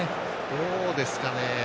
どうですかね。